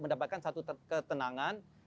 mendapatkan satu ketenangan